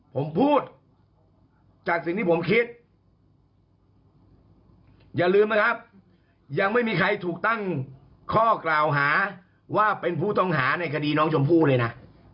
ผมพูดจากสิ่งที่ผมคิดอย่าลืมนะครับยังไม่มีใครถูกตั้งข้อกล่าวหาว่าเป็นผู้ต้องหาในคดีน้องชมพู่เลยนะ